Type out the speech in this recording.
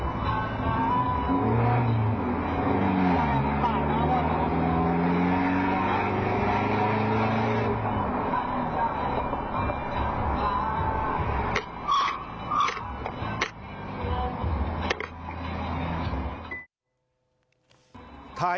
กลับไปยังไม่รู้ว่าวิทยาลัย